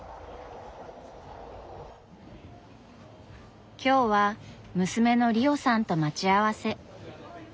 今日は娘のリオさんと待ち合わせ。